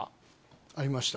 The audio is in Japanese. ありました。